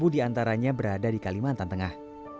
tiga puluh delapan di antaranya berada di kalimantan tengah